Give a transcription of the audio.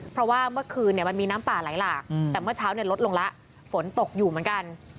เพราะว่าเมื่อคืนมันมีน้ำป่าไหลหลากแต่เมื่อเช้าลดลงแล้วฝนตกอยู่เหมือนกัน